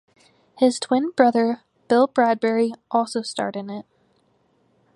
His twin brother Bill Bradbury also starred in it.